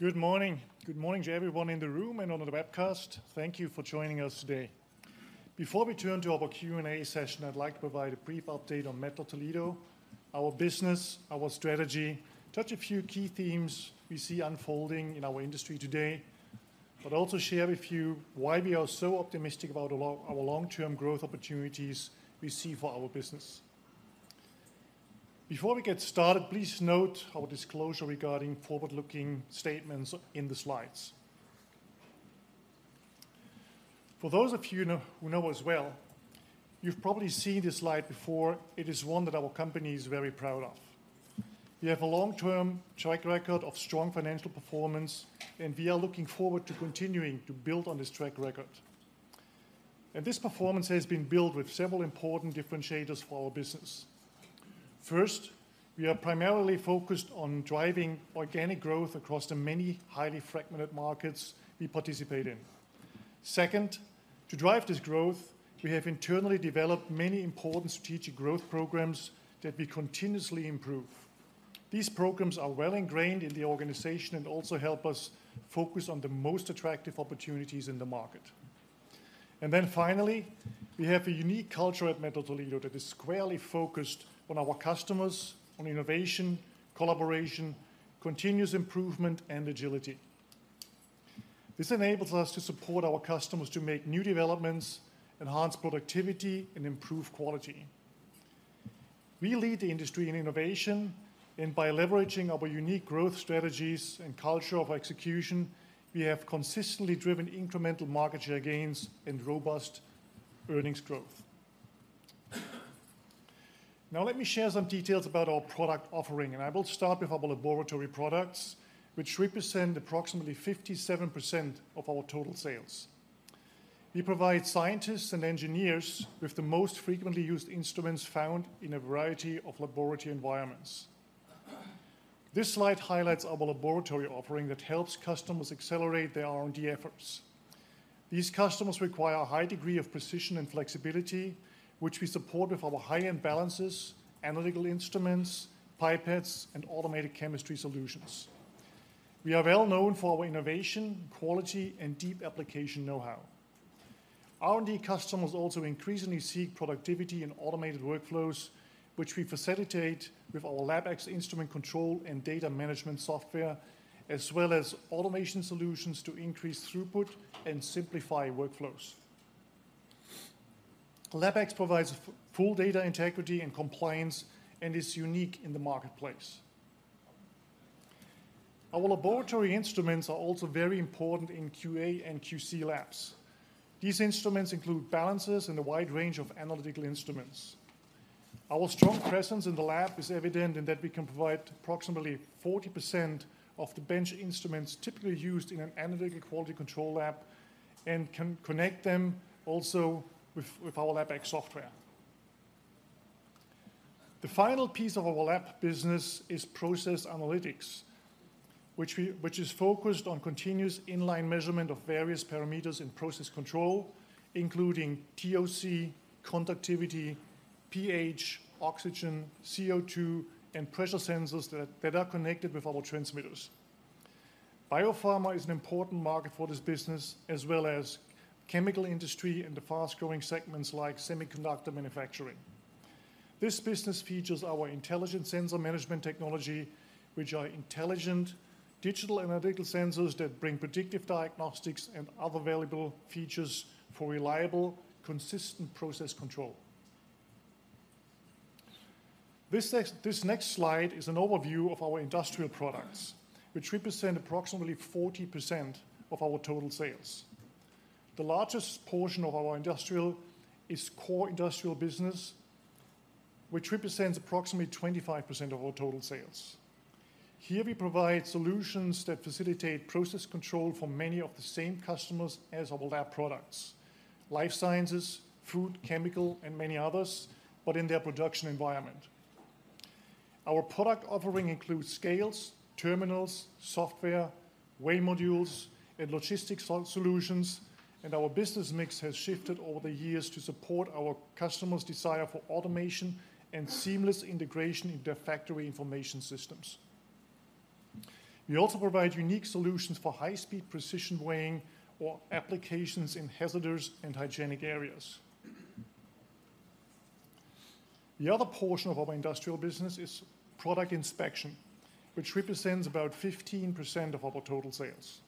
Good morning. Good morning to everyone in the room and on the webcast. Thank you for joining us today. Before we turn to our Q&A session, I'd like to provide a brief update on Mettler-Toledo, our business, our strategy, touch a few key themes we see unfolding in our industry today, but also share with you why we are so optimistic about our long, our long-term growth opportunities we see for our business. Before we get started, please note our disclosure regarding forward-looking statements in the slides. For those of you who know, who know us well, you've probably seen this slide before. It is one that our company is very proud of. We have a long-term track record of strong financial performance, and we are looking forward to continuing to build on this track record. This performance has been built with several important differentiators for our business. First, we are primarily focused on driving organic growth across the many highly fragmented markets we participate in. Second, to drive this growth, we have internally developed many important strategic growth programs that we continuously improve. These programs are well ingrained in the organization and also help us focus on the most attractive opportunities in the market. Then finally, we have a unique culture at Mettler-Toledo that is squarely focused on our customers, on innovation, collaboration, continuous improvement, and agility. This enables us to support our customers to make new developments, enhance productivity, and improve quality. We lead the industry in innovation, and by leveraging our unique growth strategies and culture of execution, we have consistently driven incremental market share gains and robust earnings growth. Now, let me share some details about our product offering, and I will start with our laboratory products, which represent approximately 57% of our total sales. We provide scientists and engineers with the most frequently used instruments found in a variety of laboratory environments. This slide highlights our laboratory offering that helps customers accelerate their R&D efforts. These customers require a high degree of precision and flexibility, which we support with our high-end balances, analytical instruments, pipettes, and automated chemistry solutions. We are well known for our innovation, quality, and deep application know-how. R&D customers also increasingly seek productivity and automated workflows, which we facilitate with our LabX instrument control and data management software, as well as automation solutions to increase throughput and simplify workflows. LabX provides full data integrity and compliance and is unique in the marketplace. Our laboratory instruments are also very important in QA and QC labs. These instruments include balances and a wide range of analytical instruments. Our strong presence in the lab is evident in that we can provide approximately 40% of the bench instruments typically used in an analytical quality control lab and can connect them also with our LabX software. The final piece of our lab business is Process Analytics, which is focused on continuous inline measurement of various parameters in process control, including TOC, conductivity, pH, oxygen, CO2, and pressure sensors that are connected with our transmitters. Biopharma is an important market for this business, as well as chemical industry and the fast-growing segments like semiconductor manufacturing. This business features our intelligent sensor management technology, which are intelligent digital analytical sensors that bring predictive diagnostics and other valuable features for reliable, consistent process control. This next slide is an overview of our Industrial products, which represent approximately 40% of our total sales. The largest portion of our Industrial is Core Industrial business, which represents approximately 25% of our total sales. Here, we provide solutions that facilitate process control for many of the same customers as our lab products: life sciences, food, chemical, and many others, but in their production environment. Our product offering includes scales, terminals, software, weigh modules, and logistics solutions, and our business mix has shifted over the years to support our customers' desire for automation and seamless integration into factory information systems. We also provide unique solutions for high-speed precision weighing or applications in hazardous and hygienic areas. The other portion of our Industrial business is Product Inspection, which represents about 15% of our total sales.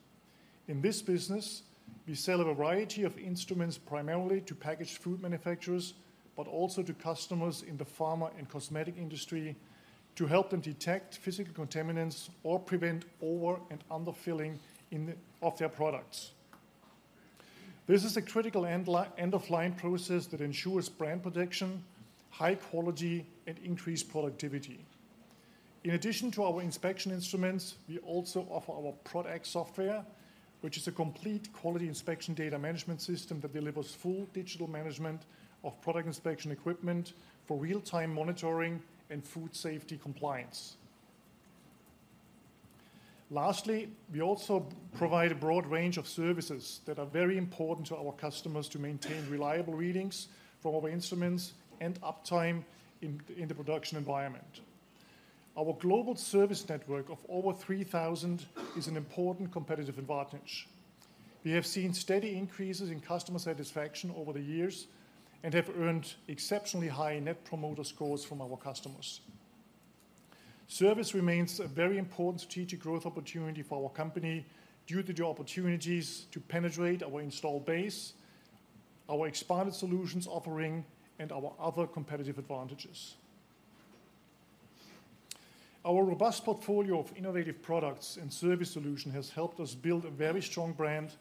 In this business, we sell a variety of instruments, primarily to packaged food manufacturers, but also to customers in the pharma and cosmetic industry, to help them detect physical contaminants or prevent over- and under-filling of their products. This is a critical end-of-line process that ensures brand protection, high quality, and increased productivity. In addition to our inspection instruments, we also offer our ProdX software, which is a complete quality inspection data management system that delivers full digital management of product inspection equipment for real-time monitoring and food safety compliance. Lastly, we also provide a broad range of services that are very important to our customers to maintain reliable readings for our instruments and uptime in the production environment. Our global service network of over 3,000 is an important competitive advantage. We have seen steady increases in customer satisfaction over the years and have earned exceptionally high Net Promoter Scores from our customers. Service remains a very important strategic growth opportunity for our company due to the opportunities to penetrate our installed base, our expanded solutions offering, and our other competitive advantages. Our robust portfolio of innovative products and service solution has helped us build a very strong brand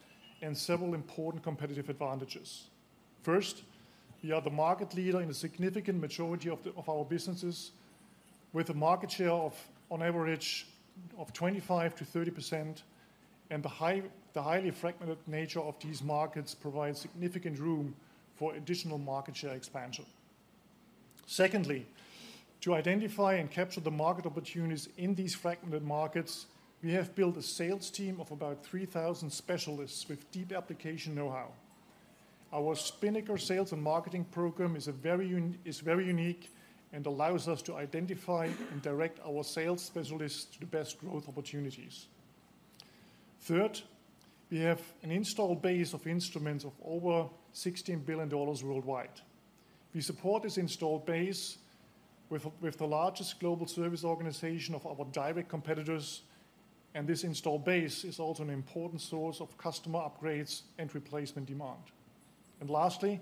and several important competitive advantages. First, we are the market leader in a significant majority of our businesses, with a market share of, on average, 25%-30%, and the highly fragmented nature of these markets provides significant room for additional market share expansion. Secondly, to identify and capture the market opportunities in these fragmented markets, we have built a sales team of about 3,000 specialists with deep application know-how. Our Spinnaker sales and marketing program is a very unique and allows us to identify and direct our sales specialists to the best growth opportunities. Third, we have an installed base of instruments of over $16 billion worldwide. We support this installed base with the largest global service organization of our direct competitors, and this installed base is also an important source of customer upgrades and replacement demand. Lastly,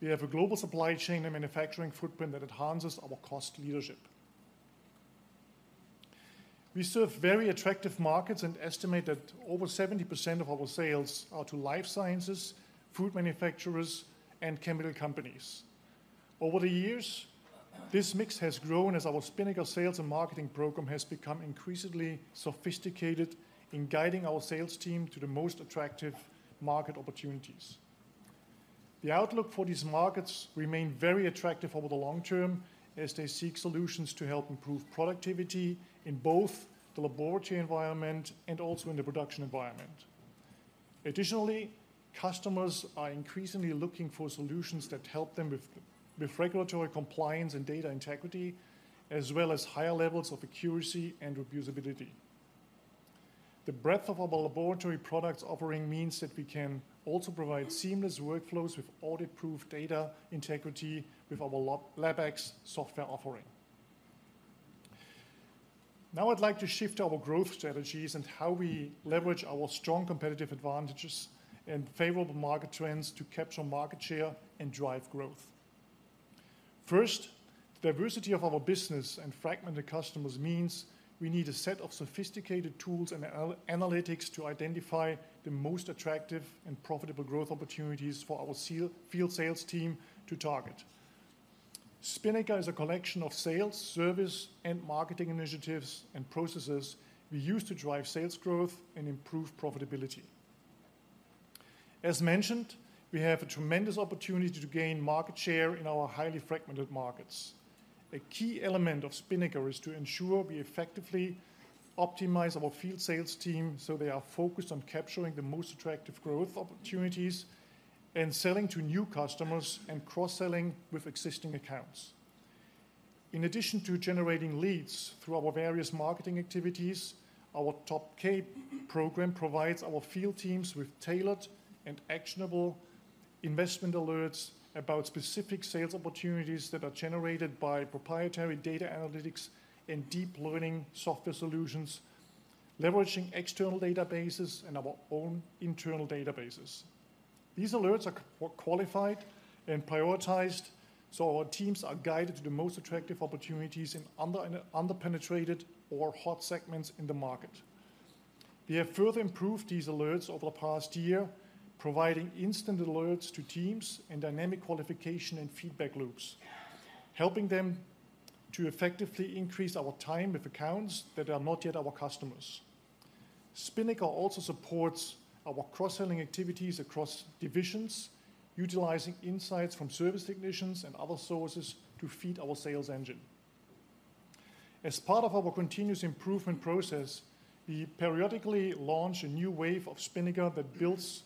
we have a global supply chain and manufacturing footprint that enhances our cost leadership. We serve very attractive markets and estimate that over 70% of our sales are to life sciences, food manufacturers, and chemical companies. Over the years, this mix has grown as our Spinnaker sales and marketing program has become increasingly sophisticated in guiding our sales team to the most attractive market opportunities. The outlook for these markets remain very attractive over the long term as they seek solutions to help improve productivity in both the laboratory environment and also in the production environment. Additionally, customers are increasingly looking for solutions that help them with regulatory compliance and data integrity, as well as higher levels of accuracy and reusability. The breadth of our laboratory products offering means that we can also provide seamless workflows with audit-proof data integrity with our LabX software offering. Now, I'd like to shift to our growth strategies and how we leverage our strong competitive advantages and favorable market trends to capture market share and drive growth. First, diversity of our business and fragmented customers means we need a set of sophisticated tools and analytics to identify the most attractive and profitable growth opportunities for our field sales team to target. Spinnaker is a collection of sales, service, and marketing initiatives and processes we use to drive sales growth and improve profitability. As mentioned, we have a tremendous opportunity to gain market share in our highly fragmented markets. A key element of Spinnaker is to ensure we effectively optimize our field sales team, so they are focused on capturing the most attractive growth opportunities and selling to new customers and cross-selling with existing accounts. In addition to generating leads through our various marketing activities, our Top K program provides our field teams with tailored and actionable investment alerts about specific sales opportunities that are generated by proprietary data analytics and deep learning software solutions, leveraging external databases and our own internal databases. These alerts are qualified and prioritized, so our teams are guided to the most attractive opportunities in under-penetrated or hot segments in the market. We have further improved these alerts over the past year, providing instant alerts to teams and dynamic qualification and feedback loops, helping them to effectively increase our time with accounts that are not yet our customers. Spinnaker also supports our cross-selling activities across divisions, utilizing insights from service technicians and other sources to feed our sales engine. As part of our continuous improvement process, we periodically launch a new wave of Spinnaker that builds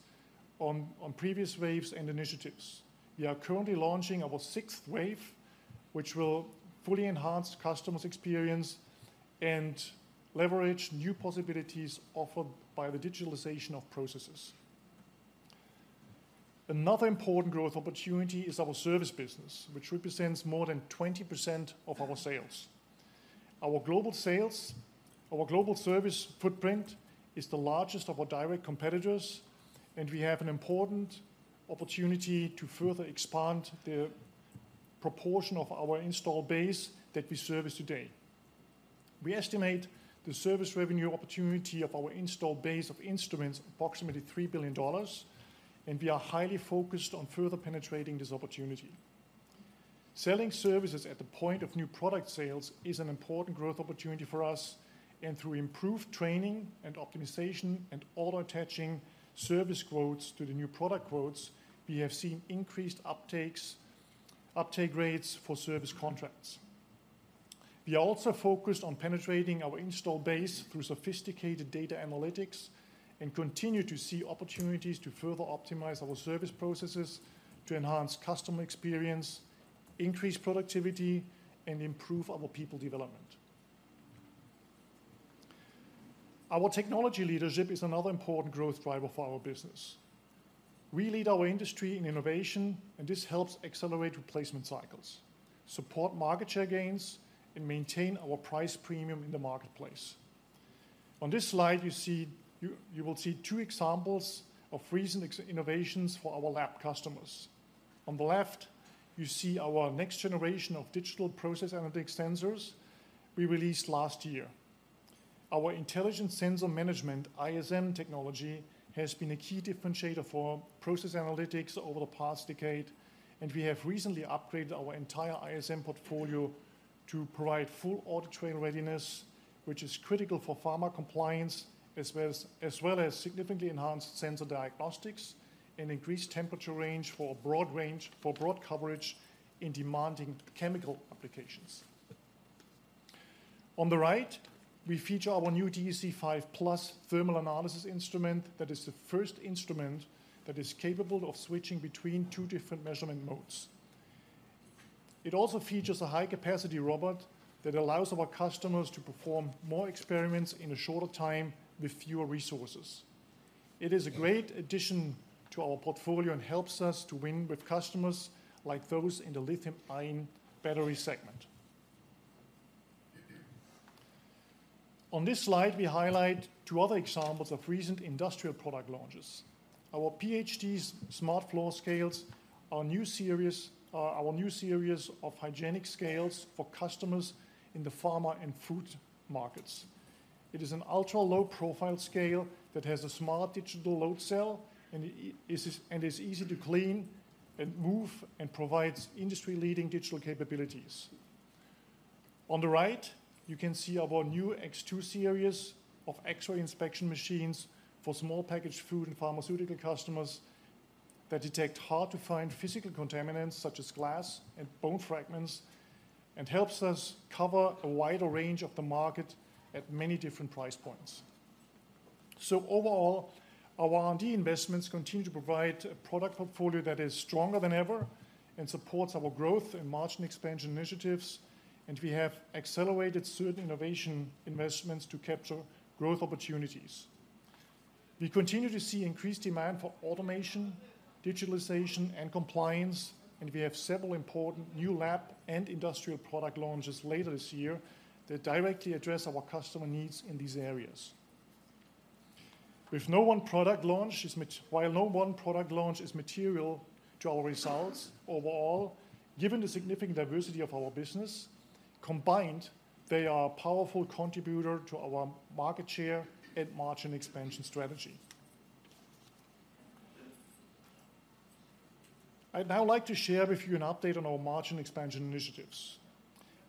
on previous waves and initiatives. We are currently launching our sixth wave, which will fully enhance customers' experience and leverage new possibilities offered by the digitalization of processes. Another important growth opportunity is our service business, which represents more than 20% of our sales. Our global service footprint is the largest of our direct competitors, and we have an important opportunity to further expand the proportion of our installed base that we service today. We estimate the service revenue opportunity of our installed base of instruments, approximately $3 billion, and we are highly focused on further penetrating this opportunity. Selling services at the point of new product sales is an important growth opportunity for us, and through improved training and optimization and auto-attaching service quotes to the new product quotes, we have seen increased uptakes, uptake rates for service contracts. We are also focused on penetrating our installed base through sophisticated data analytics and continue to see opportunities to further optimize our service processes, to enhance customer experience, increase productivity, and improve our people development. Our technology leadership is another important growth driver for our business. We lead our industry in innovation, and this helps accelerate replacement cycles, support market share gains, and maintain our price premium in the marketplace. On this slide, you will see two examples of recent innovations for our lab customers. On the left, you see our next generation of digital Process Analytics sensors we released last year. Our Intelligent Sensor Management, ISM technology, has been a key differentiator for Process Analytics over the past decade, and we have recently upgraded our entire ISM portfolio to provide full audit trail readiness, which is critical for pharma compliance, as well as significantly enhanced sensor diagnostics and increased temperature range for broad coverage in demanding chemical applications. On the right, we feature our new DSC 5+ Thermal Analysis instrument. That is the first instrument that is capable of switching between two different measurement modes. It also features a high-capacity robot that allows our customers to perform more experiments in a shorter time with fewer resources. It is a great addition to our portfolio and helps us to win with customers like those in the lithium-ion battery segment. On this slide, we highlight two other examples of recent industrial product launches. Our PFD smart floor scales, our new series, our new series of hygienic scales for customers in the pharma and food markets. It is an ultra-low profile scale that has a smart digital load cell, and is easy to clean and move and provides industry-leading digital capabilities. On the right, you can see our new X2 series of X-ray inspection machines for small packaged food and pharmaceutical customers that detect hard-to-find physical contaminants, such as glass and bone fragments, and helps us cover a wider range of the market at many different price points. Overall, our R&D investments continue to provide a product portfolio that is stronger than ever and supports our growth and margin expansion initiatives, and we have accelerated certain innovation investments to capture growth opportunities. We continue to see increased demand for automation, digitalization, and compliance, and we have several important new lab and industrial product launches later this year that directly address our customer needs in these areas. While no one product launch is material to our results, overall, given the significant diversity of our business, combined, they are a powerful contributor to our market share and margin expansion strategy. I'd now like to share with you an update on our margin expansion initiatives.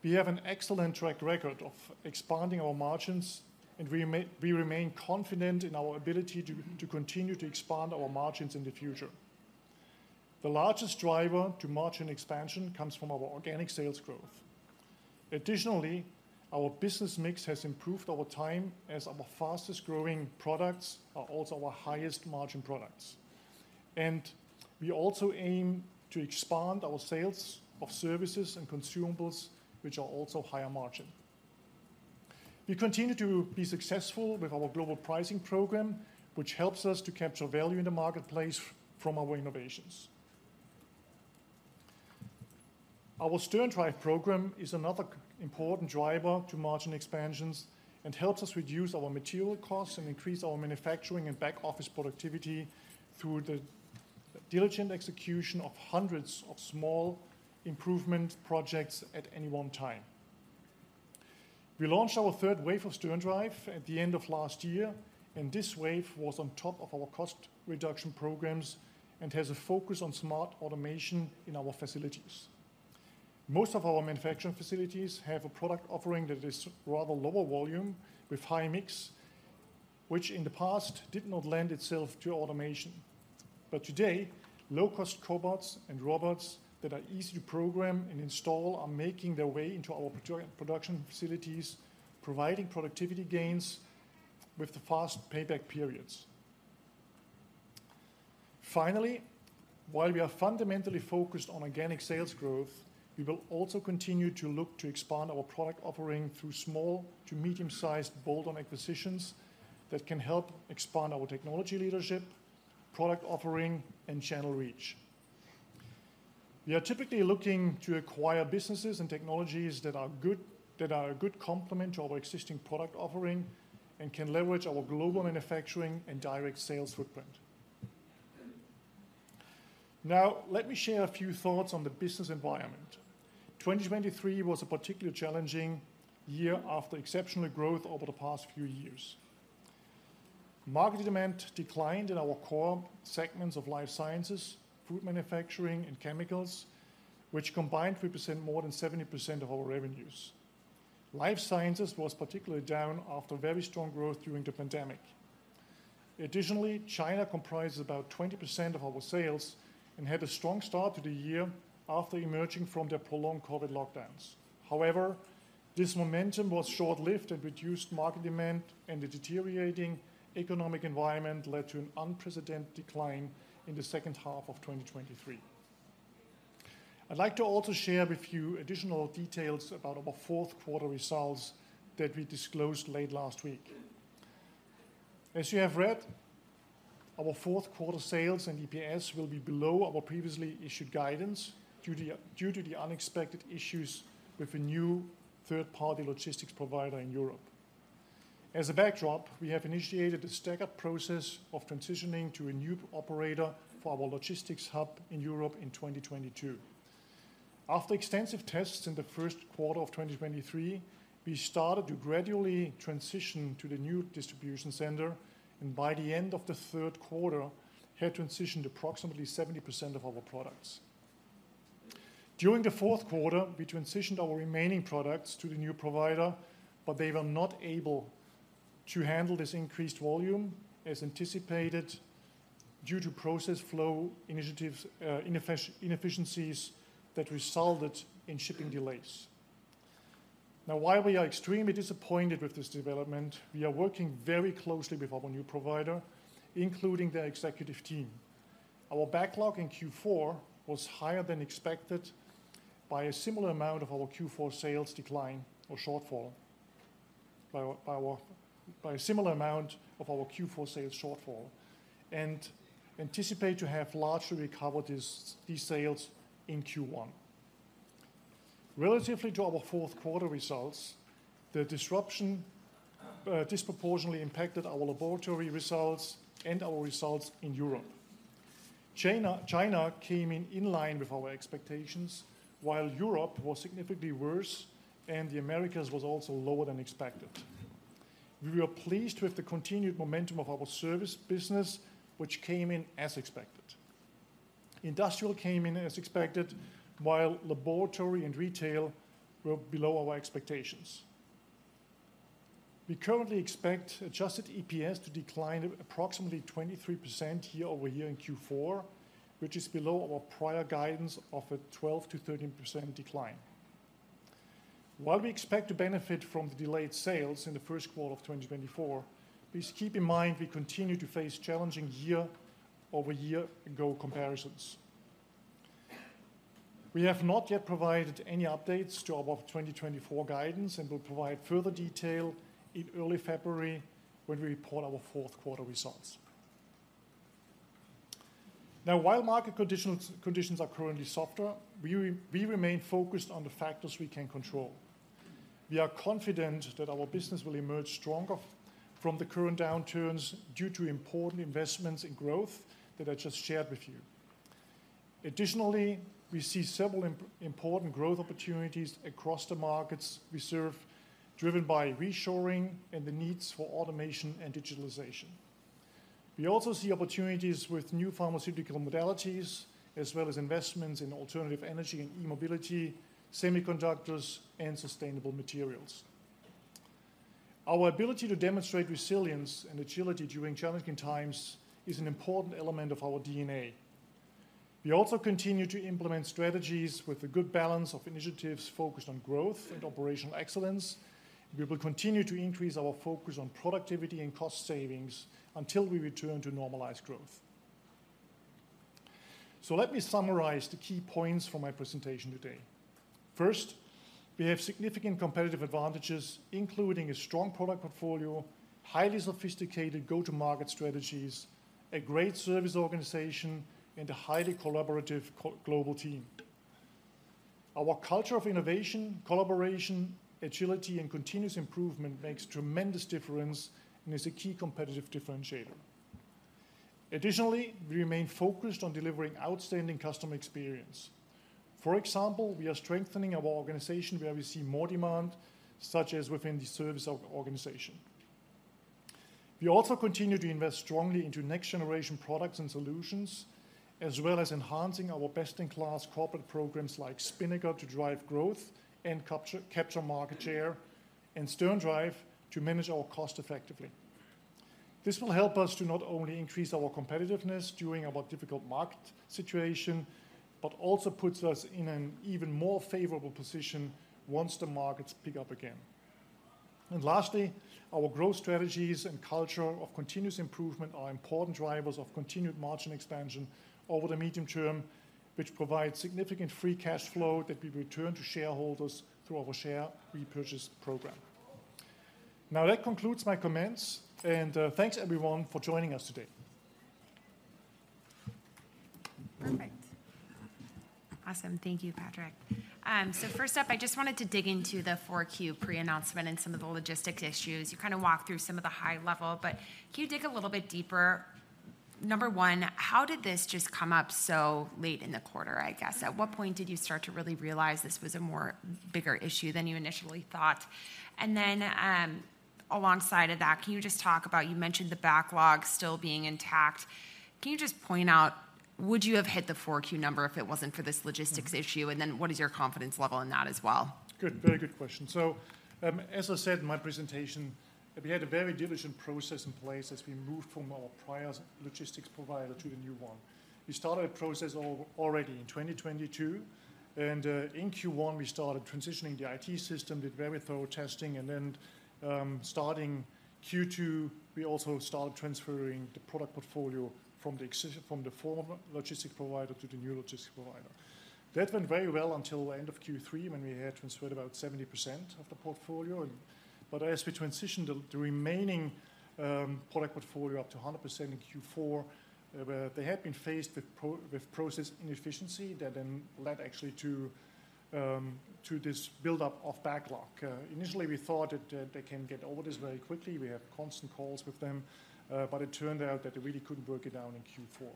We have an excellent track record of expanding our margins, and we remain confident in our ability to, to continue to expand our margins in the future. The largest driver to margin expansion comes from our organic sales growth. Additionally, our business mix has improved over time, as our fastest-growing products are also our highest-margin products. We also aim to expand our sales of services and consumables, which are also higher margin. We continue to be successful with our global pricing program, which helps us to capture value in the marketplace from our innovations. Our SternDrive program is another important driver to margin expansions and helps us reduce our material costs and increase our manufacturing and back-office productivity through the diligent execution of hundreds of small improvement projects at any one time. We launched our third wave of SternDrive at the end of last year, and this wave was on top of our cost reduction programs and has a focus on smart automation in our facilities. Most of our manufacturing facilities have a product offering that is rather lower volume with high mix, which in the past did not lend itself to automation. Today, low-cost cobots and robots that are easy to program and install are making their way into our production facilities, providing productivity gains with the fast payback periods. Finally, while we are fundamentally focused on organic sales growth, we will also continue to look to expand our product offering through small to medium-sized bolt-on acquisitions that can help expand our technology leadership, product offering, and channel reach. We are typically looking to acquire businesses and technologies that are good, that are a good complement to our existing product offering and can leverage our global manufacturing and direct sales footprint. Now, let me share a few thoughts on the business environment. 2023 was a particularly challenging year after exceptional growth over the past few years. Market demand declined in our core segments of life sciences, food manufacturing, and chemicals, which combined represent more than 70% of our revenues. Life sciences was particularly down after very strong growth during the pandemic. Additionally, China comprises about 20% of our sales and had a strong start to the year after emerging from their prolonged COVID lockdowns. However, this momentum was short-lived, and reduced market demand and the deteriorating economic environment led to an unprecedented decline in the second half of 2023. I'd like to also share with you additional details about our fourth quarter results that we disclosed late last week. As you have read, our fourth quarter sales and EPS will be below our previously issued guidance due to the unexpected issues with a new third-party logistics provider in Europe. As a backdrop, we have initiated a staggered process of transitioning to a new operator for our logistics hub in Europe in 2022. After extensive tests in the first quarter of 2023, we started to gradually transition to the new distribution center, and by the end of the third quarter, had transitioned approximately 70% of our products. During the fourth quarter, we transitioned our remaining products to the new provider, but they were not able to handle this increased volume as anticipated, due to process flow initiatives, inefficiencies that resulted in shipping delays. Now, while we are extremely disappointed with this development, we are working very closely with our new provider, including their executive team. Our backlog in Q4 was higher than expected by a similar amount of our Q4 sales decline or shortfall, by a similar amount of our Q4 sales shortfall, and anticipate to have largely recovered these sales in Q1. Relatively to our fourth quarter results, the disruption disproportionately impacted our laboratory results and our results in Europe. China, China came in in line with our expectations, while Europe was significantly worse and the Americas was also lower than expected. We were pleased with the continued momentum of our service business, which came in as expected. Industrial came in as expected, while laboratory and retail were below our expectations. We currently expect adjusted EPS to decline approximately 23% year-over-year in Q4, which is below our prior guidance of a 12%-13% decline. While we expect to benefit from the delayed sales in the first quarter of 2024, please keep in mind we continue to face challenging year-over-year growth comparisons. We have not yet provided any updates to our 2024 guidance and will provide further detail in early February when we report our fourth quarter results. Now, while market conditions are currently softer, we remain focused on the factors we can control. We are confident that our business will emerge stronger from the current downturns due to important investments in growth that I just shared with you. Additionally, we see several important growth opportunities across the markets we serve, driven by reshoring and the needs for automation and digitalization. We also see opportunities with new pharmaceutical modalities, as well as investments in alternative energy and e-mobility, semiconductors, and sustainable materials. Our ability to demonstrate resilience and agility during challenging times is an important element of our DNA. We also continue to implement strategies with a good balance of initiatives focused on growth and operational excellence. We will continue to increase our focus on productivity and cost savings until we return to normalized growth. Let me summarize the key points from my presentation today. First, we have significant competitive advantages, including a strong product portfolio, highly sophisticated go-to-market strategies, a great service organization, and a highly collaborative global team. Our culture of innovation, collaboration, agility, and continuous improvement makes tremendous difference and is a key competitive differentiator. Additionally, we remain focused on delivering outstanding customer experience. For example, we are strengthening our organization where we see more demand, such as within the service organization. We also continue to invest strongly into next-generation products and solutions, as well as enhancing our best-in-class corporate programs like Spinnaker, to drive growth and capture, capture market share, and SternDrive, to manage our cost effectively. This will help us to not only increase our competitiveness during our difficult market situation, but also puts us in an even more favorable position once the markets pick up again. Lastly, our growth strategies and culture of continuous improvement are important drivers of continued margin expansion over the medium term, which provides significant free cash flow that we return to shareholders through our share repurchase program. Now, that concludes my comments, and thanks, everyone, for joining us today. Perfect. Awesome. Thank you, Patrick. First up, I just wanted to dig into the 4Q pre-announcement and some of the logistics issues. You kind of walked through some of the high level, but can you dig a little bit deeper? Number one, how did this just come up so late in the quarter, I guess? At what point did you start to really realize this was a more bigger issue than you initially thought? Then, alongside of that, can you just talk about you mentioned the backlog still being intact. Can you just point out, would you have hit the 4Q number if it wasn't for this logistics issue? What is your confidence level in that as well? Good, very good question. As I said in my presentation, we had a very diligent process in place as we moved from our prior logistics provider to the new one. We started a process already in 2022, and in Q1, we started transitioning the IT system, did very thorough testing, and then, starting Q2, we also started transferring the product portfolio from the former logistics provider to the new logistics provider. That went very well until end of Q3, when we had transferred about 70% of the portfolio, and but as we transitioned the remaining product portfolio up to 100% in Q4, where they had been faced with process inefficiency, that then led actually to this buildup of backlog. Initially, we thought that they can get over this very quickly. We had constant calls with them, but it turned out that they really couldn't break it down in Q4.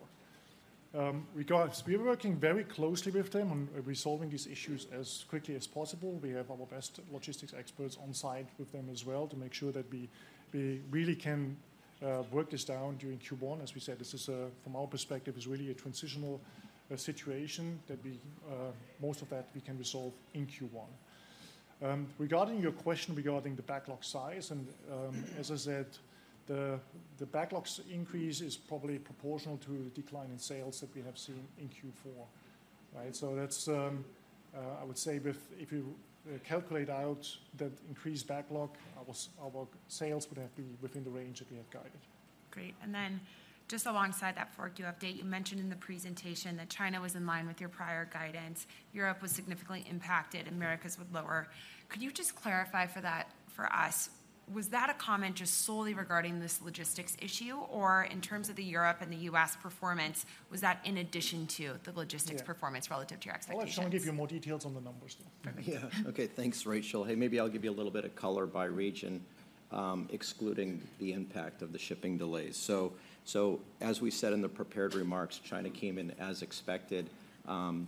Regarding, we're working very closely with them on resolving these issues as quickly as possible. We have our best logistics experts on site with them as well, to make sure that we really can work this down during Q1. As we said, this is from our perspective really a transitional situation that we most of that we can resolve in Q1. Regarding your question regarding the backlog size, and as I said, the backlogs increase is probably proportional to a decline in sales that we have seen in Q4, right? That's, I would say if you calculate out that increased backlog, our sales would have been within the range that we have guided. Great. Then, just alongside that 4Q update, you mentioned in the presentation that China was in line with your prior guidance, Europe was significantly impacted, Americas was lower. Could you just clarify that for us? Was that a comment just solely regarding this logistics issue? Or in terms of the Europe and the U.S. performance, was that in addition to the logistics- Yeah -performance relative to your expectations? Well, I'll let Shawn give you more details on the numbers, though. Perfect. Yeah. Okay, thanks, Rachel. Hey, maybe I'll give you a little bit of color by region, excluding the impact of the shipping delays. As we said in the prepared remarks, China came in as expected.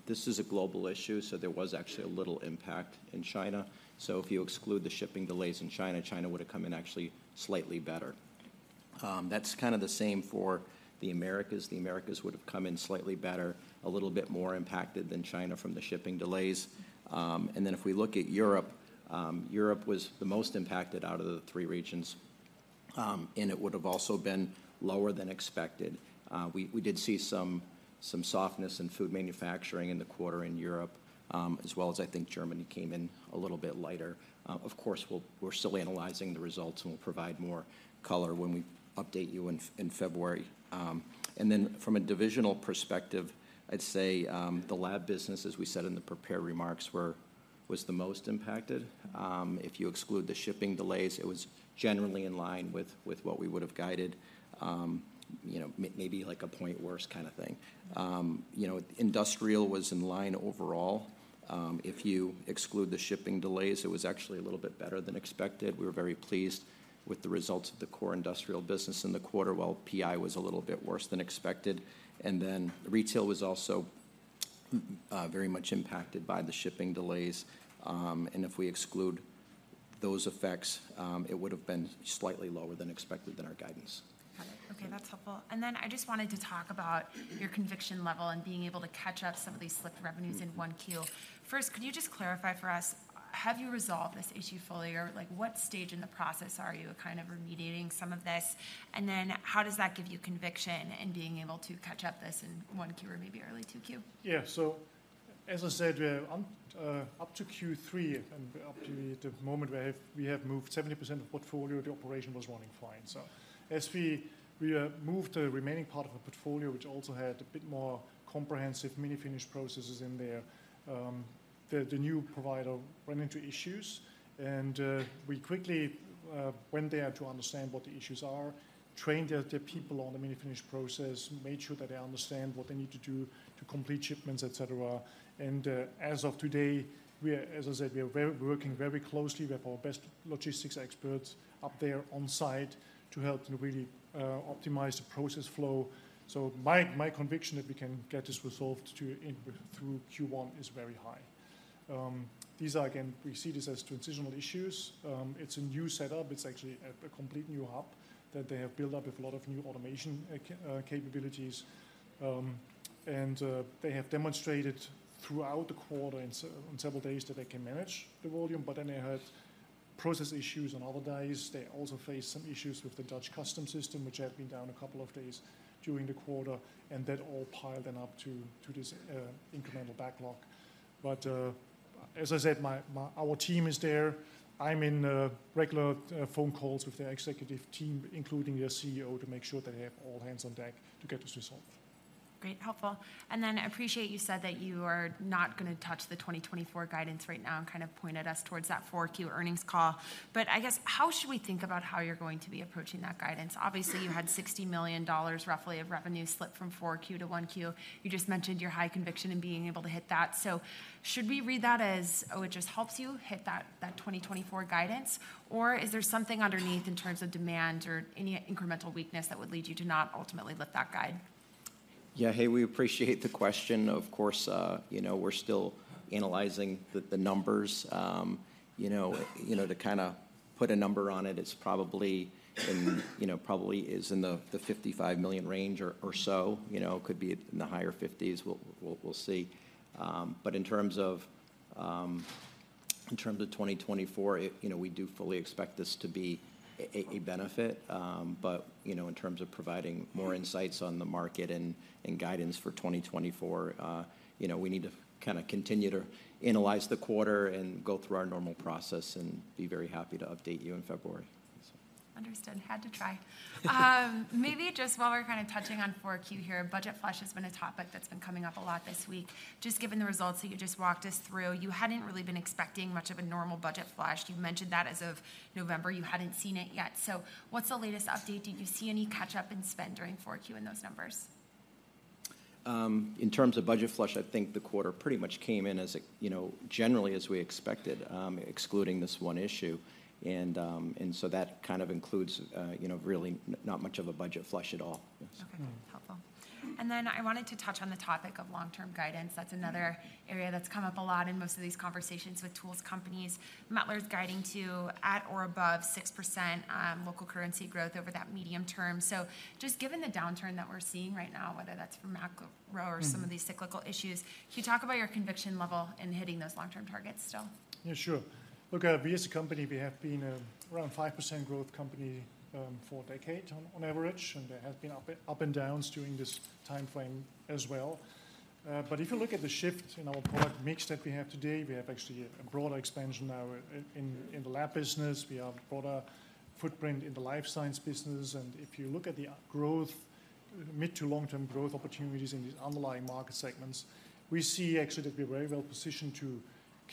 This is a global issue, so there was actually a little impact in China. If you exclude the shipping delays in China, China would have come in actually slightly better. That's kind of the same for the Americas. The Americas would have come in slightly better, a little bit more impacted than China from the shipping delays. Then if we look at Europe, Europe was the most impacted out of the three regions, and it would have also been lower than expected. We did see some softness in food manufacturing in the quarter in Europe, as well as I think Germany came in a little bit lighter. Of course, we're still analyzing the results, and we'll provide more color when we update you in February. Then from a divisional perspective, I'd say the lab business, as we said in the prepared remarks, was the most impacted. If you exclude the shipping delays, it was generally in line with what we would have guided, you know, maybe like a point worse kind of thing. You know, industrial was in line overall. If you exclude the shipping delays, it was actually a little bit better than expected. We were very pleased with the results of the Core Industrial business in the quarter, while PI was a little bit worse than expected. Then, retail was also very much impacted by the shipping delays, and if we exclude those effects, it would have been slightly lower than expected than our guidance. Got it. Okay, that's helpful. Then, I just wanted to talk about your conviction level and being able to catch up some of these slipped revenues in 1Q. First, could you just clarify for us, have you resolved this issue fully, or like, what stage in the process are you kind of remediating some of this? Then, how does that give you conviction in being able to catch up this in 1Q or maybe early 2Q? Yeah. As I said, we are on up to Q3, and up to the moment we have, we have moved 70% of the portfolio, the operation was running fine. As we moved the remaining part of the portfolio, which also had a bit more comprehensive manifest processes in there, the new provider ran into issues, and we quickly went there to understand what the issues are, trained their people on the manifest process, made sure that they understand what they need to do to complete shipments, et cetera. And as of today, we are, as I said, we are working very closely with our best logistics experts up there on site to help to really optimize the process flow. My conviction that we can get this resolved to in, through Q1 is very high. These are, again, we see this as transitional issues. It's a new setup. It's actually a, a complete new hub that they have built up with a lot of new automation capabilities. They have demonstrated throughout the quarter on several days that they can manage the volume, but then they had process issues on other days. They also faced some issues with the Dutch customs system, which had been down a couple of days during the quarter, and that all piled up to, to this incremental backlog. As I said, my, our team is there. I'm in regular phone calls with their executive team, including their CEO, to make sure that they have all hands on deck to get this resolved. Great, helpful. Then, I appreciate you said that you are not gonna touch the 2024 guidance right now, and kind of pointed us towards that 4Q earnings call. I guess, how should we think about how you're going to be approaching that guidance? Obviously, you had roughly $60 million of revenue slip from 4Q to 1Q. You just mentioned your high conviction in being able to hit that. Should we read that as, oh, it just helps you hit that, that 2024 guidance, or is there something underneath in terms of demand or any incremental weakness that would lead you to not ultimately let that guide? Yeah. Hey, we appreciate the question. Of course, you know, we're still analyzing the numbers. You know, to kind of put a number on it, it's probably in, you know, probably is in the $55 million range or so. You know, it could be in the higher 50s. We'll, we'll, we'll see. In terms of, in terms of 2024, it, you know, we do fully expect this to be a benefit. You know, in terms of providing more insights on the market and guidance for 2024, you know, we need to kind of continue to analyze the quarter and go through our normal process, and be very happy to update you in February. Understood, had to try. Maybe just while we're kind of touching on 4Q here, budget flush has been a topic that's been coming up a lot this week. Just given the results that you just walked us through, you hadn't really been expecting much of a normal budget flush. You've mentioned that as of November, you hadn't seen it yet. What's the latest update? Did you see any catch-up in spend during 4Q in those numbers? In terms of budget flush, I think the quarter pretty much came in as it, you know, generally as we expected, excluding this one issue. That kind of includes, you know, really not much of a budget flush at all. Yes. Okay, helpful. Then I wanted to touch on the topic of long-term guidance. That's another area that's come up a lot in most of these conversations with tools companies. Mettler's guiding to at or above 6%, local currency growth over that medium term. Just given the downturn that we're seeing right now, whether that's from macro or- some of these cyclical issues, can you talk about your conviction level in hitting those long-term targets still? Yeah, sure. Look, we as a company, we have been around 5% growth company for a decade on average, and there have been ups and downs during this timeframe as well. If you look at the shift in our product mix that we have today, we have actually a broader expansion now in the lab business. We have broader footprint in the life science business, and if you look at the growth, mid- to long-term growth opportunities in these underlying market segments, we see actually that we're very well positioned to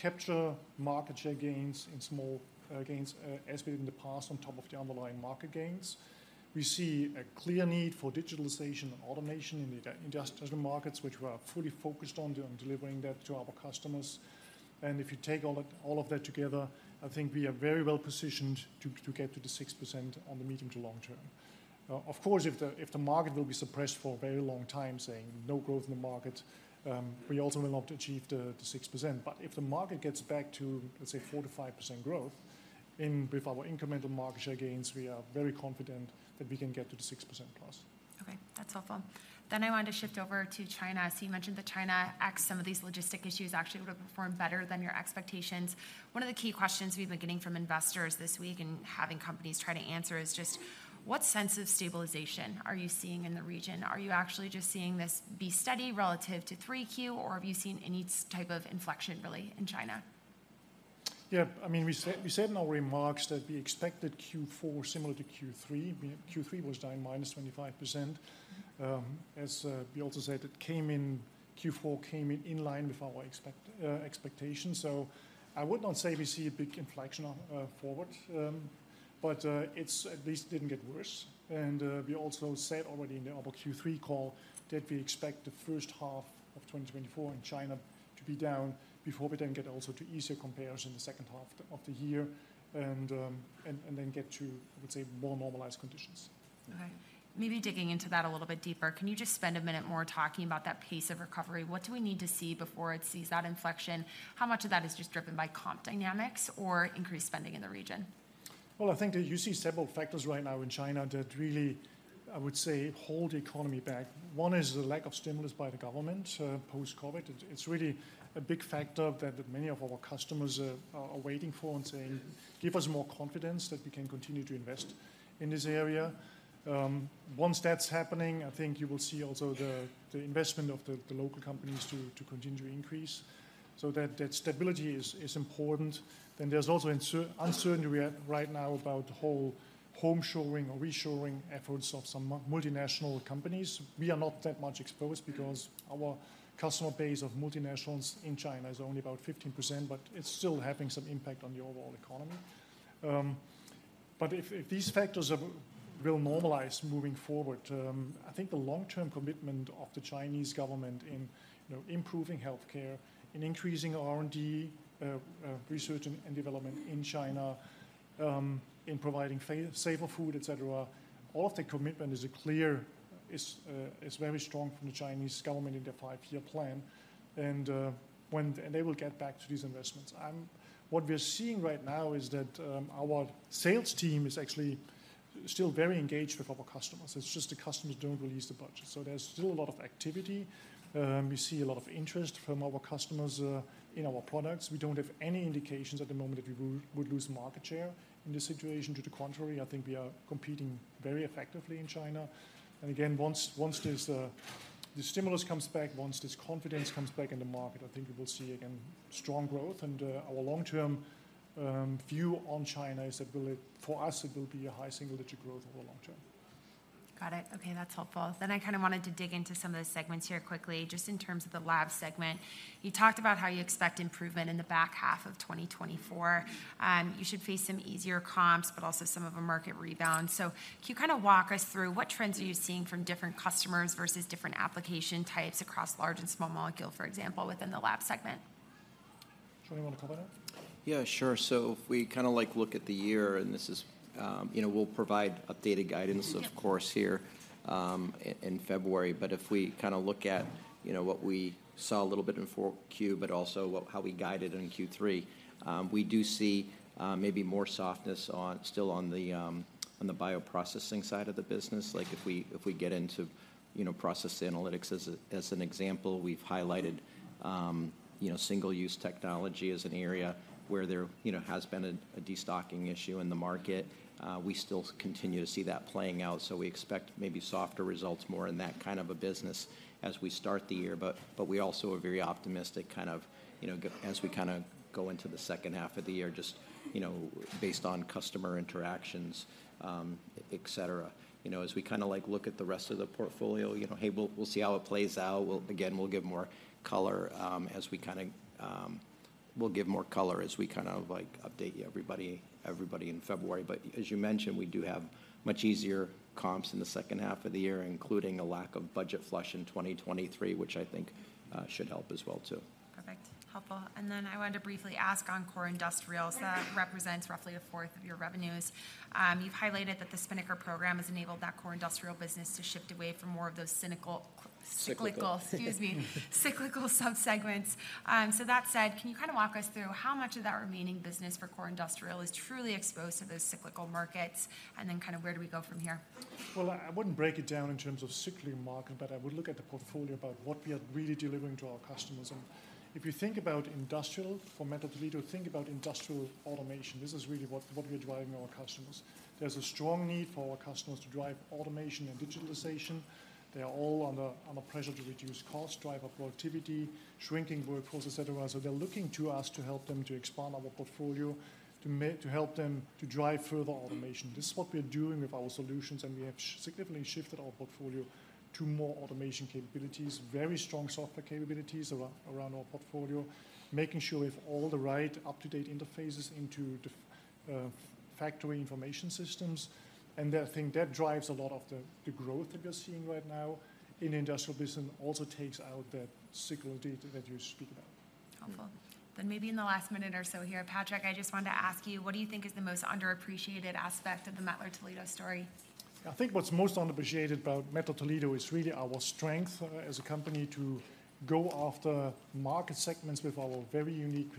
capture market share gains and small gains as we did in the past, on top of the underlying market gains. We see a clear need for digitalization and automation in the industrial markets, which we are fully focused on delivering that to our customers. If you take all of that together, I think we are very well positioned to get to the 6% on the medium to long term. Of course, if the market will be suppressed for a very long time, saying no growth in the market, we also will not achieve the 6%. If the market gets back to, let's say, 4%-5% growth, in with our incremental market share gains, we are very confident that we can get to the 6%+. Okay, that's helpful. Then I wanted to shift over to China. You mentioned that China, ex some of these logistics issues, actually would have performed better than your expectations. One of the key questions we've been getting from investors this week and having companies try to answer is just: What sense of stabilization are you seeing in the region? Are you actually just seeing this be steady relative to 3Q, or have you seen any type of inflection really in China? Yeah, I mean, we said, we said in our remarks that we expected Q4 similar to Q3. Q3 was down -25%. As we also said, Q4 came in in line with our expectations. I would not say we see a big inflection forward, but it at least didn't get worse. We also said already in our Q3 call that we expect the first half of 2024 in China to be down before we then get also to easier comparison in the second half of the year, and then get to, I would say, more normalized conditions. Okay. Maybe digging into that a little bit deeper, can you just spend a minute more talking about that pace of recovery? What do we need to see before it sees that inflection? How much of that is just driven by comp dynamics or increased spending in the region? Well, I think that you see several factors right now in China that really, I would say, hold the economy back. One is the lack of stimulus by the government post-COVID. It's really a big factor that many of our customers are waiting for and saying, "Give us more confidence that we can continue to invest in this area." Once that's happening, I think you will see also the investment of the local companies to continue to increase. That stability is important. Then there's also uncertainty we have right now about the whole homeshoring or reshoring efforts of some multinational companies. We are not that much exposed because our customer base of multinationals in China is only about 15%, but it's still having some impact on the overall economy. If these factors will normalize moving forward, I think the long-term commitment of the Chinese government in, you know, improving healthcare, in increasing R&D, research and development in China, in providing safer food, et cetera, all of the commitment is clear, is very strong from the Chinese government in their five-year plan, and when they will get back to these investments. What we're seeing right now is that our sales team is actually still very engaged with our customers. It's just the customers don't release the budget. There's still a lot of activity. We see a lot of interest from our customers in our products. We don't have any indications at the moment that we would lose market share in this situation. To the contrary, I think we are competing very effectively in China. Again, once this, the stimulus comes back, once this confidence comes back in the market, I think you will see, again, strong growth. Our long-term view on China is that for us, it will be a high single-digit growth over long term. Got it. Okay, that's helpful. Then I kind of wanted to dig into some of the segments here quickly. Just in terms of the lab segment, you talked about how you expect improvement in the back half of 2024. You should face some easier comps, but also some of a market rebound. Can you kind of walk us through what trends are you seeing from different customers versus different application types across large and small molecule, for example, within the lab segment? Do you want to cover that? Yeah, sure. If we kind of like, look at the year, and this is, you know, we'll provide updated guidance of course, here in February. If we kind of look at, you know, what we saw a little bit in 4Q, but also what, how we guided in Q3, we do see maybe more softness on, still on the, on the bioprocessing side of the business. Like, if we, if we get into, you know, Process Analytics as a, as an example, we've highlighted, you know, single-use technology as an area where there, you know, has been a, a destocking issue in the market. We still continue to see that playing out, so we expect maybe softer results, more in that kind of a business as we start the year. We also are very optimistic, kind of, you know, as we kind of go into the second half of the year, just, you know, based on customer interactions, et cetera. You know, as we kind of like, look at the rest of the portfolio, you know, hey, we'll see how it plays out. Again, we'll give more color as we kind of, like, update everybody in February. As you mentioned, we do have much easier comps in the second half of the year, including a lack of budget flush in 2023, which I think should help as well, too. Perfect. Helpful. Then I wanted to briefly ask on Core Industrial, so that represents roughly a fourth of your revenues. You've highlighted that the Spinnaker program has enabled that Core Industrial business to shift away from more of those cynical- Cyclical. -cyclical, excuse me, cyclical sub-segments. That said, can you kind of walk us through how much of that remaining business for Core Industrial is truly exposed to those cyclical markets? Then kind of where do we go from here? Well, I wouldn't break it down in terms of cyclical market, but I would look at the portfolio about what we are really delivering to our customers. If you think about industrial for Mettler-Toledo, think about industrial automation. This is really what we are driving our customers. There's a strong need for our customers to drive automation and digitalization. They are all under pressure to reduce cost, drive up productivity, shrinking workforce, et cetera. They're looking to us to help them to expand our portfolio, to help them to drive further automation. This is what we're doing with our solutions, and we have significantly shifted our portfolio to more automation capabilities, very strong software capabilities around our portfolio, making sure we have all the right up-to-date interfaces into the factory information systems. I think that drives a lot of the growth that we're seeing right now in industrial business, and also takes out that cyclical data that you speak about. Helpful. Then maybe in the last minute or so here, Patrick, I just wanted to ask you, what do you think is the most underappreciated aspect of the Mettler-Toledo story? I think what's most underappreciated about Mettler-Toledo is really our strength as a company to go after market segments with our very unique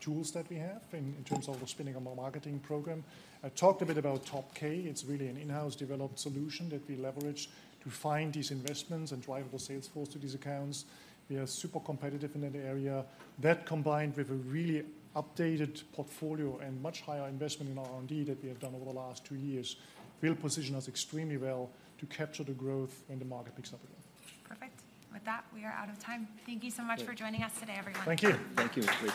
tools that we have in terms of the spending on our marketing program. I talked a bit about Top K. It's really an in-house developed solution that we leverage to find these investments and drive the sales force to these accounts. We are super competitive in that area. That, combined with a really updated portfolio and much higher investment in R&D that we have done over the last two years, will position us extremely well to capture the growth when the market picks up again. Perfect. With that, we are out of time. Thank you so much. Great For joining us today, everyone. Thank you. Thank you. Great.